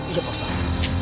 iya pak ustadz